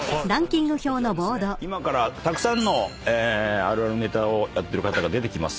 今からたくさんのあるあるネタやってる方が出てきます。